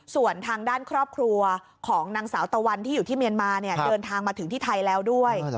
ส่วนทางด้านครอบครัวของนางสาวตะวันที่อยู่ที่เมียนมาเนี่ยเดินทางมาถึงที่ไทยแล้วด้วย